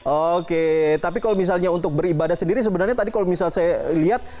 oke tapi kalau misalnya untuk beribadah sendiri sebenarnya tadi kalau misalnya saya lihat